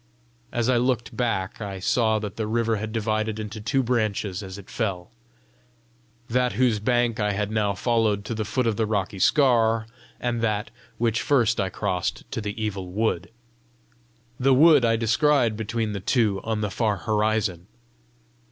As I looked back I saw that the river had divided into two branches as it fell, that whose bank I had now followed to the foot of the rocky scaur, and that which first I crossed to the Evil Wood. The wood I descried between the two on the far horizon.